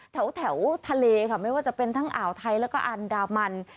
แถวทะเลค่ะไม่ว่าจะเป็นทั้งอ่าวไทยแล้วก็อันดามัน